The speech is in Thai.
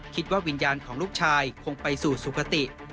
คิดว่าวิญญาณของลูกชายคงไปสู่สุขติ